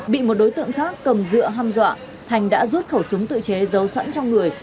bị một đối tượng khác cầm dựa ham dọa thành đã rút khẩu súng tự chế giấu sẵn trong người